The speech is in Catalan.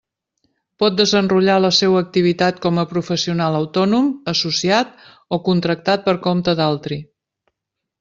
Pot desenrotllar la seua activitat com a professional autònom, associat o contractat per compte d'altri.